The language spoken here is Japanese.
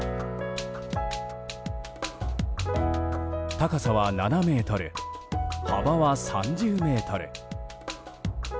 高さは７ｍ、幅は３０ｍ。